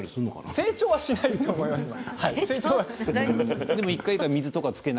成長はしないと思いますけど。